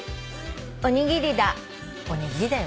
「おにぎり」だ。